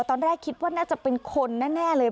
ตอนแรกคิดว่าน่าจะเป็นคนแน่เลย